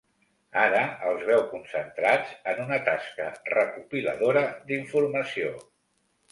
Ara els veu concentrats en una tasca recopiladora d'informació.